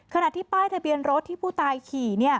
ขณะที่ป้ายทะเบียนรถที่ผู้ตายขี่